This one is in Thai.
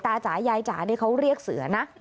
จ๋ายายจ๋านี่เขาเรียกเสือนะ